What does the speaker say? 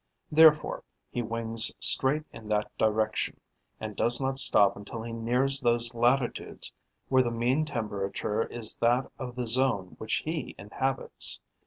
Therefore he wings straight in that direction and does not stop until he nears those latitudes where the mean temperature is that of the zone which he inhabits.